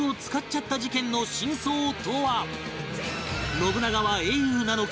信長は英雄なのか？